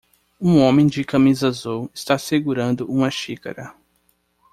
Um homem de camisa azul está segurando uma xícara